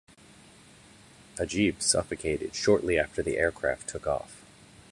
Ageeb suffocated shortly after the aircraft took off.